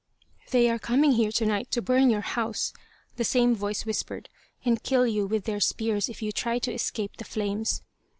"They are coming here tonight to burn your house," the same voice whispered, "and kill you with their spears if you try to escape the flames.